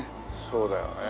そうだよね。